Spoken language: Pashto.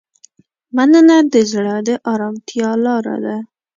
مننه د زړه د ارامتیا لاره ده.